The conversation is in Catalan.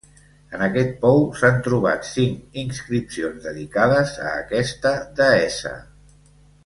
En aquest pou s'han trobat cinc inscripcions dedicades a aquesta deessa.